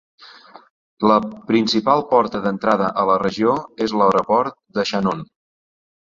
La principal porta d'entrada a la regió és l'aeroport de Shannon.